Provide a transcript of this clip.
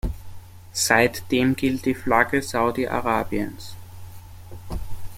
Seitdem gilt die Flagge Saudi-Arabiens.